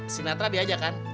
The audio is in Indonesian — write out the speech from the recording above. si natra diajak kan